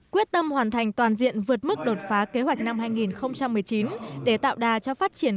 quyết tâm hoàn thành toàn diện vượt mức đột phá kế hoạch năm hai nghìn một mươi chín để tạo đà cho phát triển